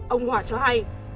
ông hòa cho hay